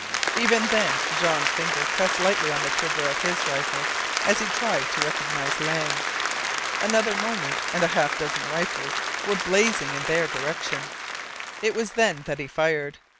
Even then Jean's finger pressed lightly on the trigger of his rifle as he tried to recognize Lang. Another moment, and half a dozen rifles were blazing in their direction. It was then that he fired.